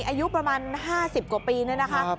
อายุประมาณ๕๐กว่าปีนี่นะคะ